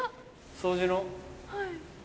掃除の？